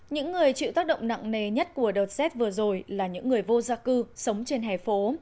những người chịu tác động nặng nề nhất của đợt rét vừa rồi là những người vô gia cư sống trên hẻ phố